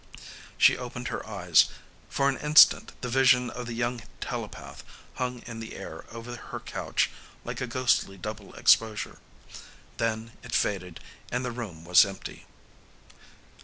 She opened her eyes; for an instant the vision of the young telepath hung in the air over her couch like a ghostly double exposure. Then it faded and the room was empty.